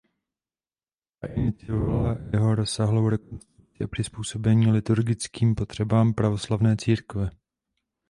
Ta iniciovala jeho rozsáhlou rekonstrukci a přizpůsobení liturgickým potřebám pravoslavné církve.